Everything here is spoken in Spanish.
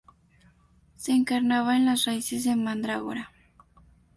Se encarnaba en las raíces de mandrágora.